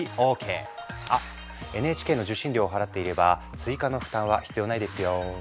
あＮＨＫの受信料を払っていれば追加の負担は必要ないですよ。